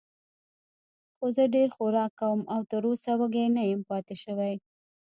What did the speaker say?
خو زه ډېر خوراک کوم او تراوسه وږی نه یم پاتې شوی.